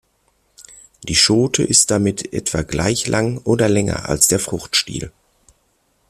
Die Schote ist damit etwa gleich lang oder länger als der Fruchtstiel.